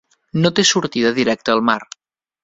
No té sortida directa al mar.